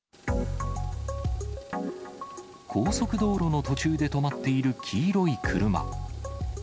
高速道路の途中で止まっている黄色い車。